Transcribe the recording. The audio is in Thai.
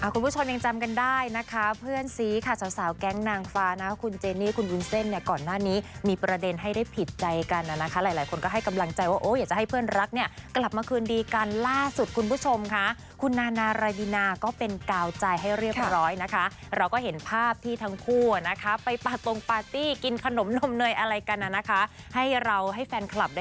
คุณผู้ชมยังจำกันได้นะคะเพื่อนซีค่ะสาวแก๊งนางฟ้านะคุณเจนี่คุณวุ้นเส้นเนี่ยก่อนหน้านี้มีประเด็นให้ได้ผิดใจกันนะคะหลายคนก็ให้กำลังใจว่าโอ้อยากจะให้เพื่อนรักเนี่ยกลับมาคืนดีกันล่าสุดคุณผู้ชมค่ะคุณนานารายบินาก็เป็นกาวใจให้เรียบร้อยนะคะเราก็เห็นภาพที่ทั้งคู่อ่ะนะคะไปปาตรงปาร์ตี้กินขนมนมเนยอะไรกันน่ะนะคะให้เราให้แฟนคลับได้